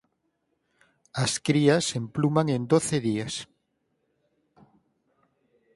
As crías empluman en doce días.